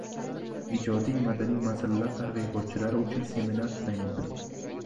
Ijodiy-madaniy masalalar targ‘ibotchilari uchun seminar-trening